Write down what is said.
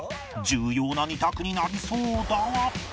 重要な２択になりそうだが